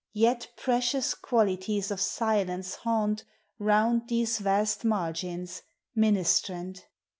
Yet precious qualities of silence haunt Round these vast margins, ministrant.